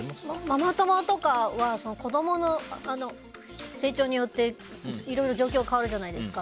ママ友とかは子供の成長によっていろいろ状況が変わるじゃないですか。